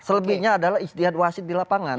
selebihnya adalah ikhtiar wasit di lapangan